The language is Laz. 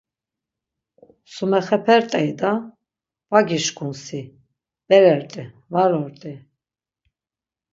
Sumexepert̆ey da… Va gişǩun si, berert̆i, var ort̆i.